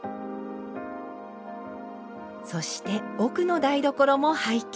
そして奥の台所も拝見。